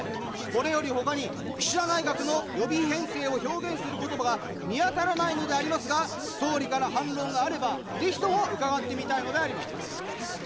これよりほかに岸田内閣の予備費編成を表現することばが見当たらないのでありますが、総理から反論があれば、ぜひとも伺ってみたいのであります。